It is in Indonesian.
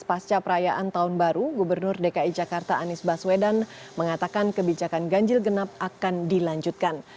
pasca perayaan tahun baru gubernur dki jakarta anies baswedan mengatakan kebijakan ganjil genap akan dilanjutkan